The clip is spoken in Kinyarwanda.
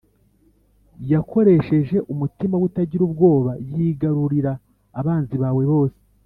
yakoresheje umutima we utagira ubwoba yigarurira abanzi bawe bose